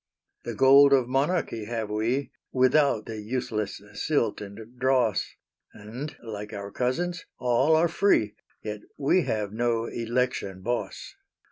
The gold of monarchy have we, Without the useless silt and dross; And like our cousins, all are free, Yet we have no election boss.